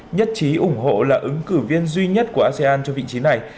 nhất trí ủng hộ là ứng cử viên duy nhất của asean cho vị trí này